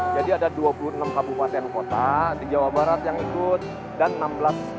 jadi ada dua puluh enam kabupaten dan kota di jawa barat yang ikut dan enam belas provinsi